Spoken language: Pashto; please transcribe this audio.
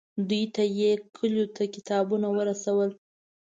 دوی ته یې کلیو ته کتابونه ورسول.